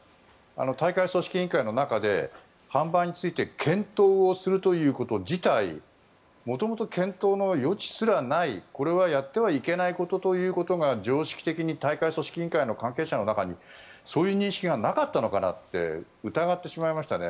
大会組織委員会の中で販売について検討するということ自体元々検討の余地すらないこれはやってはいけないことということが常識的に大会組織委員会の関係者の中にそういう認識がなかったのかなと疑ってしまいましたね。